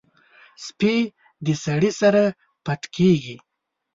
سپي د سړي سره پټ کېږي.